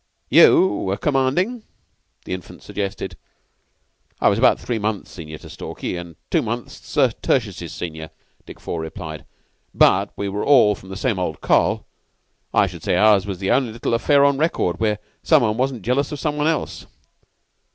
"You were commandin'?" the Infant suggested. "I was about three months senior to Stalky, and two months Tertius's senior," Dick Four replied. "But we were all from the same old Coll. I should say ours was the only little affair on record where some one wasn't jealous of some one else."